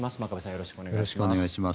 よろしくお願いします。